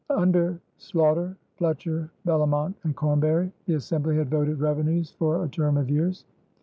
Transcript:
Under Sloughter, Fletcher, Bellomont, and Cornbury the Assembly had voted revenues for a term of years.